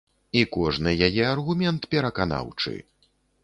І кожны яе аргумент пераканаўчы.